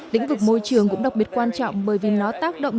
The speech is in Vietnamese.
lĩnh vực môi trường cũng đặc biệt quan trọng bởi vì nó tác động